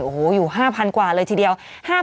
โอ้โหอยู่๕๐๐กว่าเลยทีเดียว